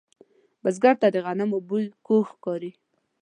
بزګر ته د غنمو بوی خوږ ښکاري